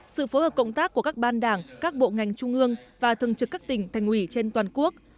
sự phối hợp cộng tác của các ban đảng các bộ ngành trung ương và thường trực các tỉnh thành ủy trên toàn quốc